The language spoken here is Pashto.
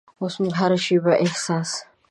اوس مې هره شیبه احساس